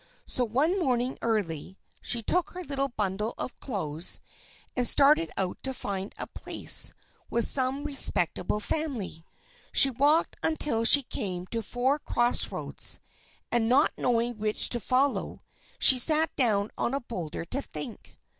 So one morning early, she took her little bundle of clothes, and started out to find a place with some respectable family. She walked until she came to four cross roads, and, not knowing which to follow, she sat down on a boulder to think.